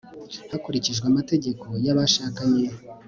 hakurikijwe amategeko y'abashakanye